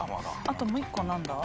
あともう１個何だ？